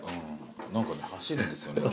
何かね走るんですよね。